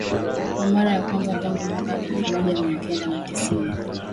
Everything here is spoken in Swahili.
kwa mara ya kwanza tangu mwaka elfu moja mia kenda na tisini